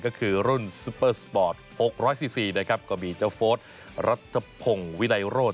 ก็คือรุ่นซุปเปอร์สปอร์ต๖๔๔นะครับก็มีเจ้าโฟสรัฐพงศ์วินัยโรธ